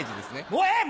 もうええ！